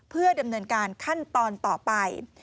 เพื่อดำเนินการขั้นตอนต่อไป